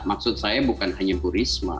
maksud saya bukan hanya bu risma